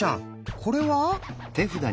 これは？